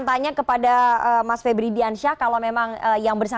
tapi dua hari sebelumnya